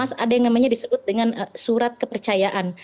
ada yang namanya disebut dengan surat kepercayaan